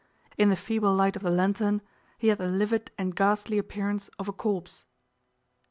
In the feeble light of the lantern he had the livid and ghastly appearance of a corpse.